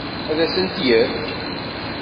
Ad asen-t-yefk?